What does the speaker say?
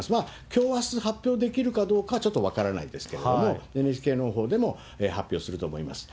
きょうあす、発表できるかどうかはちょっと分からないですけれども、ＮＨＫの広報でも発表すると思います。